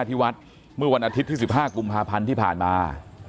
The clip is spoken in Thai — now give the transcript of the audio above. ที่วัดเมื่อวันอาทิตย์ที่๑๕กุมภาพันธ์ที่ผ่านมา